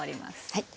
はい。